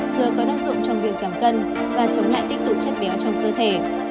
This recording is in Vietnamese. dơ có tác dụng trong việc giảm cân và chống lại tích tụ chất béo trong cơ thể